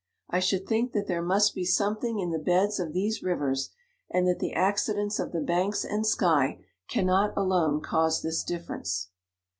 I should think that there must be something in the beds of these rivers, and that the acci dents of the banks and sky cannot alone cause this difference.